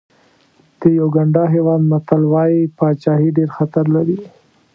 د یوګانډا هېواد متل وایي پاچاهي ډېر خطر لري.